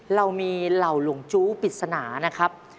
เรามีเหล่าหลงจู้ปริศนานะครับ